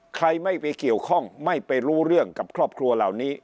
ใครไม่ไปเกี่ยวข้องไม่ไปรู้เรื่องกับครอบครัวเหล่านี้